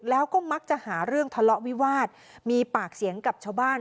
แล้วก็มักจะหาเรื่องทะเลาะวิวาสมีปากเสียงกับชาวบ้าน